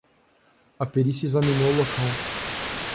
A perícia examinou o local.